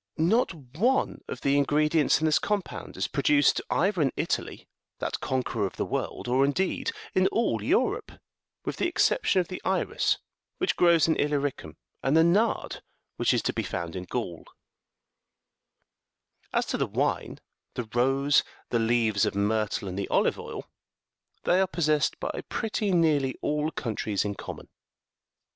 Not one of the ingredients in this compound is produced either in Italy, that conqueror of the ■world, or, indeed, in all Europe, with the exception of the iris, which grows in Illyricum, and the nard, which is to be found in Gaul : as to the wine, the rose, the leaves of myr tle, and the olive oil, they are possessed by pretty nearly all countries in common.